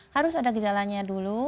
harus ada gejalanya dulu